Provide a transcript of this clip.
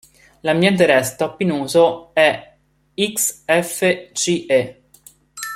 L'ambiente desktop in uso è Xfce.